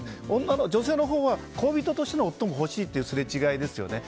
女性のほうは恋人としての夫も欲しいっていうすれ違いですよね。